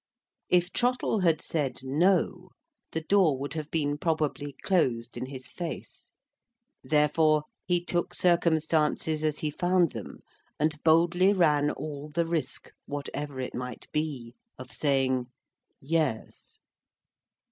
If Trottle had said, "No," the door would have been probably closed in his face. Therefore, he took circumstances as he found them, and boldly ran all the risk, whatever it might be, of saying, "Yes."